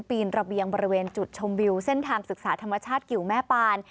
ปีนระเบียงบริเวณจุดชมวิวเส้นทางศึกษาธรรมชาติกิวแม่ปาน